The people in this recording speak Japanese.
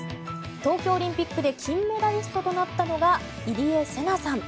東京オリンピックで金メダリストとなったのが入江聖奈さん。